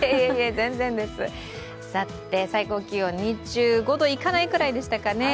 最高気温、２５度いかないぐらいでしたかね